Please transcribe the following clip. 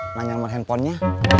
nanya nomer handphonenya